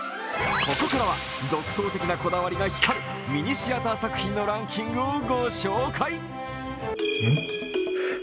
ここからは独創的なこだわりが光るミニシアターランキングをご紹介。